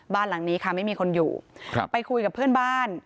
บ้านหลังนี้ค่ะไม่มีคนอยู่ครับไปคุยกับเพื่อนบ้าน